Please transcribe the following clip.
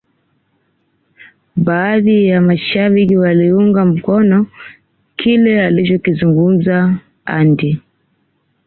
baadhi ya mashabiki waliunga mkono kile alichokizungumza Andy